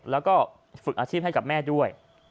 แล้วก็ฝึกอาชีพให้กับแม่ด้วย